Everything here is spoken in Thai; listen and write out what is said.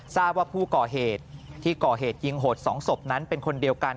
ทราบว่าผู้ก่อเหตุที่ก่อเหตุยิงโหด๒ศพนั้นเป็นคนเดียวกัน